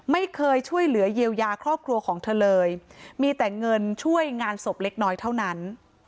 ไม่เคยช่วยเหลือเยียวยาครอบครัวของเธอเลยมีแต่เงินช่วยงานศพเล็กน้อยเท่านั้น